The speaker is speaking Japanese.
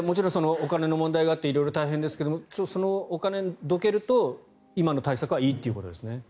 お金の問題もあって色々大変ですがそのお金をどけると今の対策はいいということですよね。